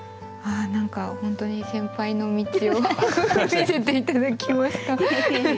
何か本当に先輩の道を見せて頂きました。